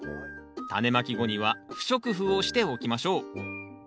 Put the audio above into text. タネまき後には不織布をしておきましょう。